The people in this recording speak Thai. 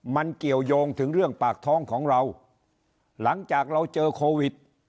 มันเกี่ยวยงถึงเรื่องปากท้องของเราหลังจากเราเจอโควิด